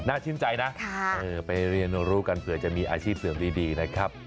ชื่นใจนะไปเรียนรู้กันเผื่อจะมีอาชีพเสริมดีนะครับ